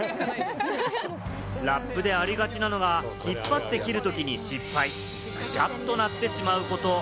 ラップでありがちなのは、引っ張って切るときに失敗、くしゃっとなってしまうこと。